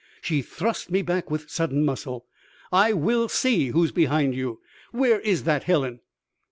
She thrust me back with sudden muscle. "I will see who's behind you! Where is that Helen?"